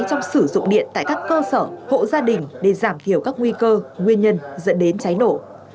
trong sử dụng điện tại các cơ sở hộ gia đình để giảm thiểu các nguy cơ nguyên nhân dẫn đến cháy nổ